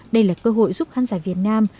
đây là cơ hội giúp khán giả việt nam